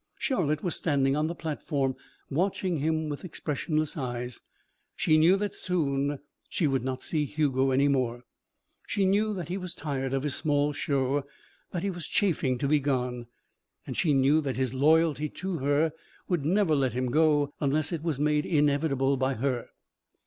Charlotte was standing on the platform, watching him with expressionless eyes. She knew that soon she would not see Hugo any more. She knew that he was tired of his small show, that he was chafing to be gone; and she knew that his loyalty to her would never let him go unless it was made inevitable by her.